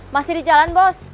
masih di jalan bos